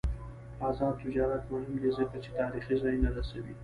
آزاد تجارت مهم دی ځکه چې تاریخي ځایونه رسوي.